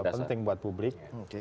penting buat publik